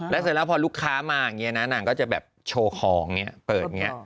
เสร็จแล้วพอลูกค้ามาอย่างนี้นะนางก็จะแบบโชว์ของอย่างนี้เปิดอย่างนี้